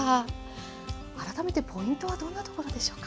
改めてポイントはどんなところでしょうか？